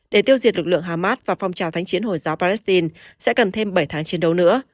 để tiêu diệt lực lượng hamas và phong trào thánh chiến hồi giáo palestine sẽ cần thêm bảy tháng chiến đấu nữa